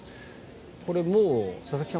これ、もう佐々木さん